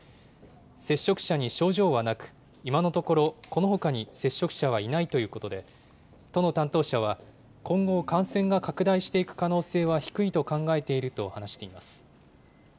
接触者に症状はなく、今のところ、このほかに接触者はいないということで、都の担当者は、今後、感染が拡大していく可能性は低いと考えていると話しています。